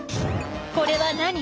これは何？